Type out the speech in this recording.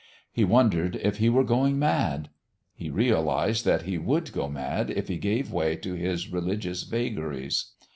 He wondered if he were going mad. He realized that he would go mad if he gave way to his religious vagaries.